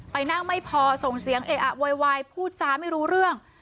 นั่งไม่พอส่งเสียงเออะโวยวายพูดจาไม่รู้เรื่อง